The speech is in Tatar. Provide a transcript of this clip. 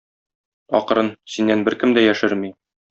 Акрын, синнән беркем дә яшерми.